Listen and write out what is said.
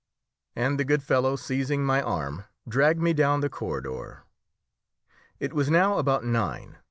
And the good fellow, seizing my arm, dragged me down the corridor. It was now about nine.